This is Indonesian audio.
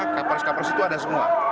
kapolres kapolres itu ada semua